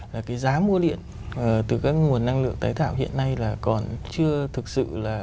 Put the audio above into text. cái giá mua điện từ các nguồn năng lượng tái thảo hiện nay là còn chưa thực sự là